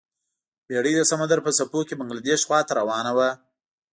بیړۍ د سمندر په څپو کې بنګلادیش خواته روانه وه.